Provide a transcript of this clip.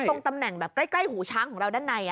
ตรงตำแหน่งแบบใกล้หูช้างของเราด้านใน